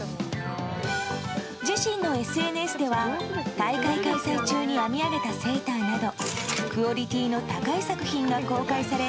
自身のＳＮＳでは大会開催中に編み上げたセーターなどクオリティーの高い作品が公開され